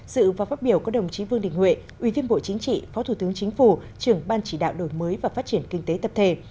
dự và phát biểu có đồng chí vương đình huệ ủy viên bộ chính trị phó thủ tướng chính phủ trưởng ban chỉ đạo đổi mới và phát triển kinh tế tập thể